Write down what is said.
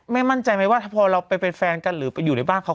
มั่นใจไหมว่าพอเราไปเป็นแฟนกันหรือไปอยู่ในบ้านเขา